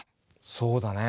そうだね。